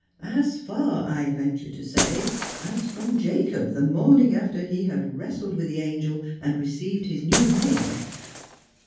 As far I venture to say as from Jacob, the morning after he had wrestled with the angel and received his new name.